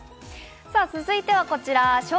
続いてはこちら。